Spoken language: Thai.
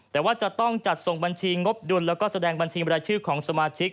แต่ว่าจะต้องจัดส่งบัญชีงบัญชีงบรรยาชื่อของสมาชิก